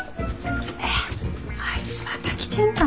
えっあいつまた来てんの？